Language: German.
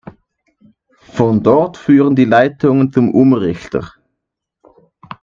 Von dort führen die Leitungen zum Umrichter.